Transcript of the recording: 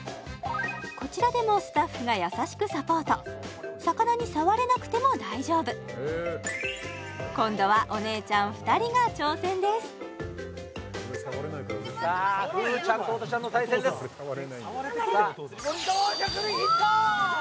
こちらでもスタッフが優しくサポート魚に触れなくても大丈夫今度はお姉ちゃん２人が挑戦ですさあ風羽ちゃんとおとちゃんの対戦ですヒット！